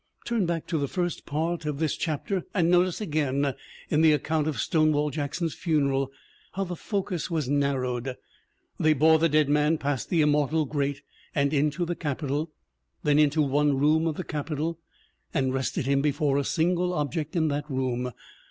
Turn back to the first part of this chapter and notice again in the account of Stonewall 150 THE WOMEN WHO MAKE OUR NOVELS Jackson's funeral how the focus is narrowed. They bore the dead man past the immortal great and into the Capitol, then into one room of the Capitol, and rested him before a single object in that room.